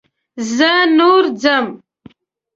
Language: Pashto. زه نور ځم.